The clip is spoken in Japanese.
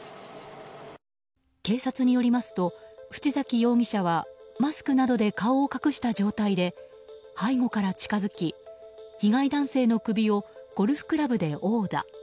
警察によりますと淵崎容疑者はマスクなどで顔を隠した状態で背後から近づき被害男性の首をゴルフクラブで殴打。